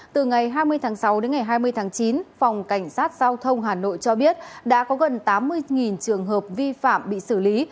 từ ngày hai mươi tháng sáu đến ngày hai mươi tháng chín phòng cảnh sát giao thông hà nội cho biết đã có gần tám mươi trường hợp vi phạm bị xử lý